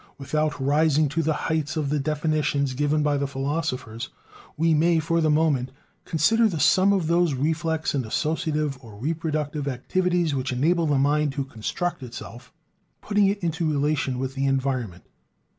Without rising to the heights of the definitions given by the philosophers, we may, for the moment, consider the sum of those reflex and associative or reproductive activities which enable the mind to construct itself, putting it into relation with the environment.